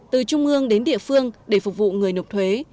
từ trung ương đến địa phương để phục vụ người nộp thuế